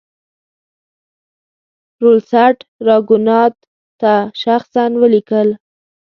ورلسټ راګونات ته شخصا ولیکل.